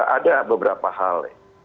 ada beberapa hal